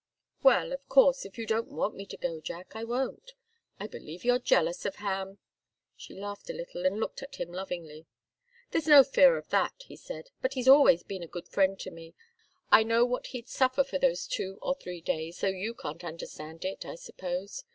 "Well of course, if you don't want me to go, Jack, I won't. I believe you're jealous of Ham!" She laughed a little and looked at him lovingly. "There's no fear of that," he said. "But he's always been a good friend to me. I know what he'd suffer for those two or three days, though you can't understand it, I suppose.